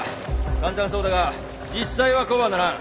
簡単そうだが実際はこうはならん。